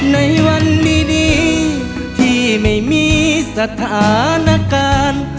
ในวันดีที่ไม่มีสถานการณ์